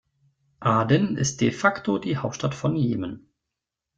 Aden ist de facto die Hauptstadt von Jemen.